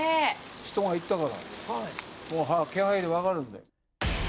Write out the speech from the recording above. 人が行ったから、気配で分かるんだよ。